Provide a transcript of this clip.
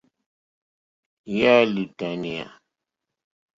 Yà á !lútánéá.